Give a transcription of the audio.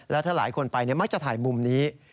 แล้วถ้าหลายคนไปมักจะถ่ายมุมนี้